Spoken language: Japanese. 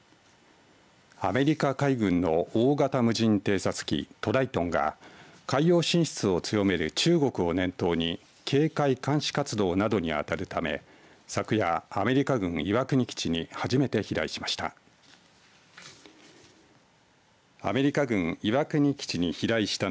アメリカ海軍の大型無人偵察機トライトンが海洋進出を強める中国を念頭に警戒、監視活動などに当たるため昨夜、アメリカ軍岩国基地に初めて飛来しました。